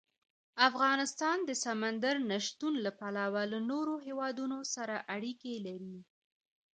افغانستان د سمندر نه شتون له پلوه له نورو هېوادونو سره اړیکې لري.